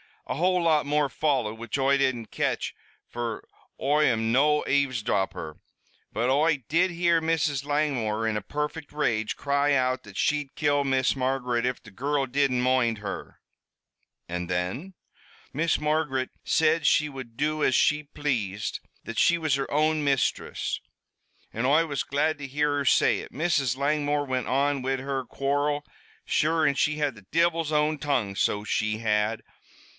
"A whole lot more followed, which Oi didn't catch, fer Oi am no avesdropper. But Oi did hear Mrs. Langmore, in a perfect rage, cry out that she'd kill Miss Margaret if the girrul didn't moind her." "And then?" "Miss Margaret said she would do as she pl'ased that she was her own mistress an' Oi was glad to hear her say it. Mrs. Langmore went on wid her quarrel sure, an' she had the divil's own tongue, so she had.